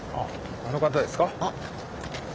あの方ですか？